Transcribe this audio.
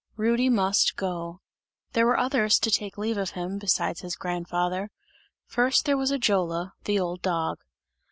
Rudy must go. There were others to take leave of him, besides his grandfather; first there was Ajola, the old dog.